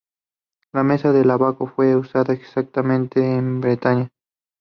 La mesa de ábaco fue usada extensamente en Bretaña.